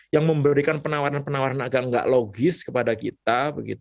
yang memberikan penawaran penawaran agak nggak logis kepada kita